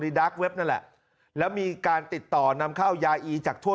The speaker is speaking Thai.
ดาร์กเว็บนั่นแหละแล้วมีการติดต่อนำเข้ายาอีจากทั่ว